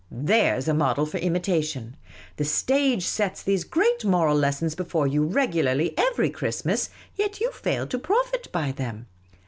There 's a model for imitation ! The stage sets these great moral lessons before you regularly every Christ mas ; yet you fail to profit by them.